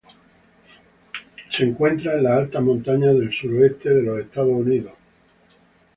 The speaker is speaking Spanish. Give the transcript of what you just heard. Se encuentra en las altas montañas del suroeste de los Estados Unidos.